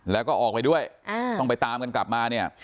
แล้วก็ออกไปด้วยต้องไปตามกันกลับมาเนี่ย